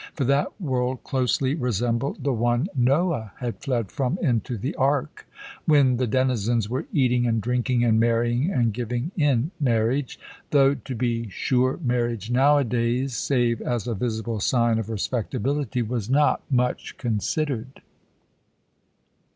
For that world closely resembled the one Noah had fled from into the ark, when the denizens "were eating and drinking and marrying and giving in marriage" though, to be sure, marriage nowadays, save as a visible sign of respectability, was not much considered.